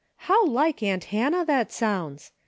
" How like aunt Hannah that sounds